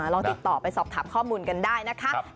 ลองติดต่อไปสอบถามข้อมูลกันได้นะคะ